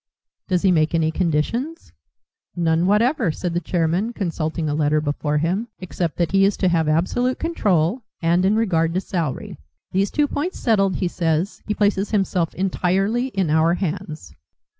"Does he make any conditions?" "None whatever," said the chairman, consulting a letter before him, "except that he is to have absolute control, and in regard to salary. These two points settled, he says, he places himself entirely in our hands."